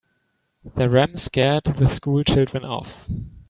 The ram scared the school children off.